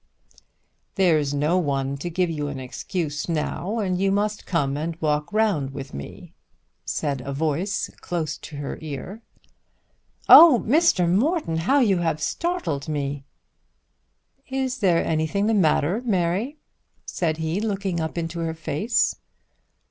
"There's no one to give you an excuse now, and you must come and walk round with me," said a voice, close to her ear. "Oh, Mr. Morton, how you have startled me!" "Is there anything the matter, Mary?" said he, looking up into her face.